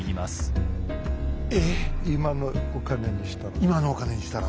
今のお金にしたら。